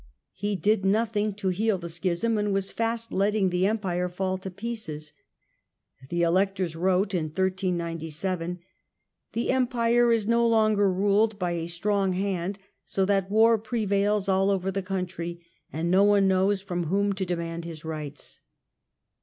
He did nothing to heal the Schism and was fast letting the Empire fall to pieces. The electors wrote in 1397: " The Empire is no longer ruled by a strong hand, so that war prevails all over the country, and no one knows from whom to demand his rights